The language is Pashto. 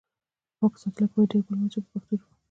په پاک ساتلو کې باید ډېره پاملرنه وشي په پښتو ژبه.